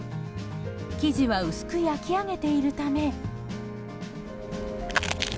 生地は薄く焼き上げているため。